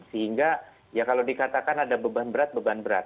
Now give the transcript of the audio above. sehingga ya kalau dikatakan ada beban berat beban berat